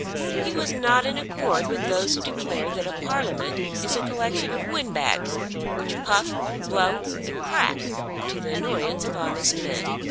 He was not in accord with those who declare that a Parliament is a collection of windbags which puff, and blow, and crack to the annoyance of honest men.